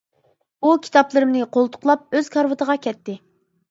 ئۇ كىتابلىرىمنى قولتۇقلاپ ئۆز كارىۋىتىغا كەتتى.